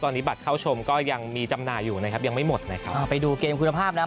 ตอนนี้บัตรเข้าชมก็ยังมีจำหน่ายอยู่นะครับยังไม่หมดนะครับอ่าไปดูเกมคุณภาพแล้ว